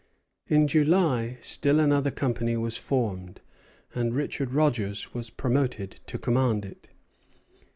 In July still another company was formed, and Richard Rogers was promoted to command it.